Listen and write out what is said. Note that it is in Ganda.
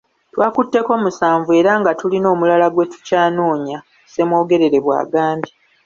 "Twakutteko musanvu era nga tulina omulala gwe tukyanoonya,” Ssemwogerere bw'agambye.